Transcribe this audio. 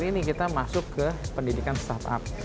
hari ini kita masuk ke pendidikan startup